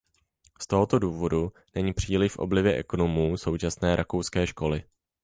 Z tohoto důvodu není příliš v oblibě ekonomů současné rakouské školy.